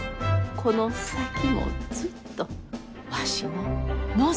この先もずっとわしの希みじゃ。